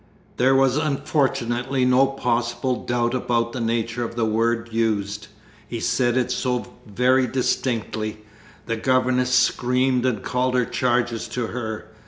There was unfortunately no possible doubt about the nature of the word used he said it so very distinctly. The governess screamed and called her charges to her.